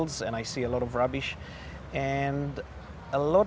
dan saya melihat banyak kerabat